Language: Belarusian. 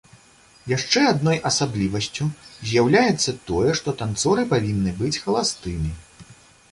Яшчэ адной асаблівасцю з'яўляецца тое, што танцоры павінны быць халастымі.